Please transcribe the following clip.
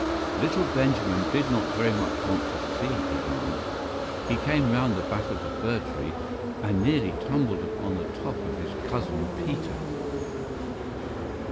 LITTLE Benjamin did not very much want to see his Aunt. He came round the back of the fir tree, and nearly tumbled upon the top of his Cousin Peter.